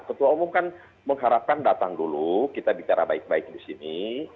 ketua umum kan mengharapkan datang dulu kita bicara baik baik di sini